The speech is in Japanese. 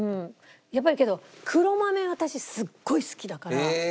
やっぱりけど黒豆私すっごい好きだから。